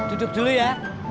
duduk dulu ya